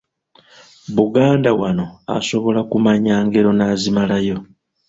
Buganda wano asobola kumanya ngero n’azimalayo.